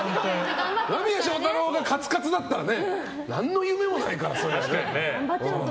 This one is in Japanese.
間宮祥太朗がカツカツだったら何の夢もないからね。